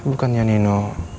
saya bukannya nino